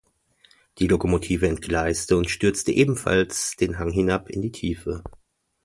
Die Lokomotive entgleiste und stürzte ebenfalls den Hang hinab in die Tiefe.